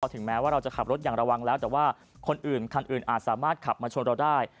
ถึงแม้ว่าเราจะขับรถอย่างระวังแล้วแต่ว่าคนอื่นคันอื่นอาจสามารถขับมาชนเราได้